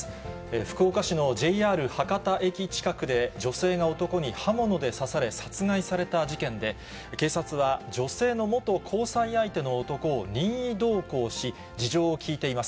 福岡市のＪＲ博多駅近くで、女性が男に刃物で刺され、殺害された事件で、警察は、女性の元交際相手の男を任意同行し、事情を聴いています。